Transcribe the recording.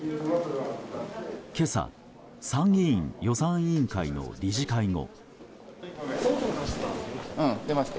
今朝、参議院予算委員会の理事会後。